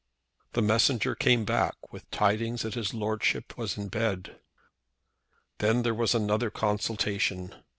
The messenger came back with tidings that his Lordship was in bed. Then there was another consultation.